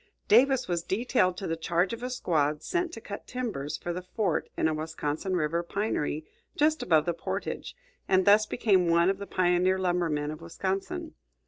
Davis was detailed to the charge of a squad sent to cut timbers for the fort in a Wisconsin River pinery just above the portage, and thus became one of the pioneer lumbermen of Wisconsin.